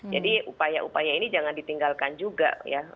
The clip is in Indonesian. jadi upaya upaya ini jangan ditinggalkan juga ya